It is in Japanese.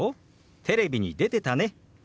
「テレビに出てたね」。